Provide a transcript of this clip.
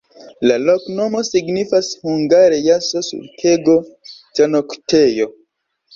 La loknomo signifas hungare jaso-sulkego-tranoktejo.